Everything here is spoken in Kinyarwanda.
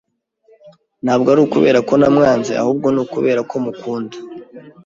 Ntabwo ari ukubera ko namwanze, ahubwo ni ukubera ko mukunda.